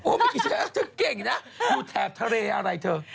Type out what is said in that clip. โอ้โฮเธอเก่งนะอยู่แถวทะเลอะไรเธอ